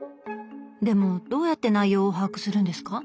でもどうやって内容を把握するんですか？